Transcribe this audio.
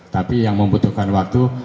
tapi yang membutuhkan waktu